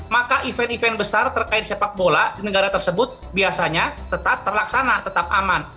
maka event event besar terkait sepak bola di negara tersebut biasanya tetap terlaksana tetap aman